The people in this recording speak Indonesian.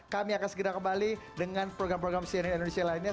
kami akan segera kembali dengan program program cnn indonesia lainnya